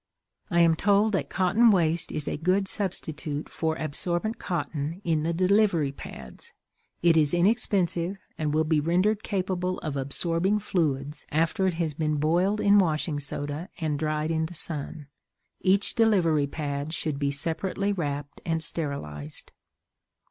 I am told that cotton waste is a good substitute for absorbent cotton in the delivery pads. It is inexpensive, and will be rendered capable of absorbing fluids after it has been boiled in washing soda and dried in the sun. Each delivery pad should be separately wrapped and sterilized.